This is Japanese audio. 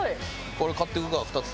これ買っていくか２つ。